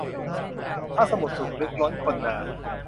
พระสมุทรสุดลึกล้น คณนา